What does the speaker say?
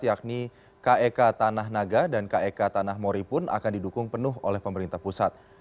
yakni kek tanah naga dan kek tanah mori pun akan didukung penuh oleh pemerintah pusat